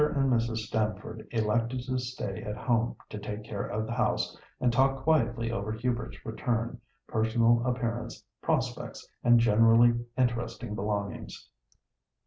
and Mrs. Stamford elected to stay at home to take care of the house, and talk quietly over Hubert's return, personal appearance, prospects, and generally interesting belongings.